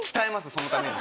そのために。